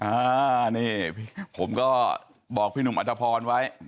อ่านี่ผมก็บอกพี่หนุ่มอัตภพรไว้